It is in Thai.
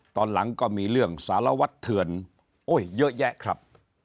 ตอนหลังก็มีเรื่องสารวัตรเถื่อนโอ้ยเยอะแยะครับ